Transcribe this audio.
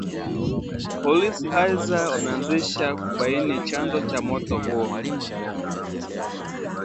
Polisi aidha wameanzisha kubaini chanzo cha moto huo